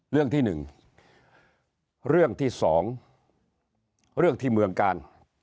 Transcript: เรื่องที่หนึ่งเรื่องที่สองเรื่องที่เมืองการ